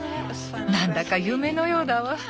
なんだか夢のようだわ。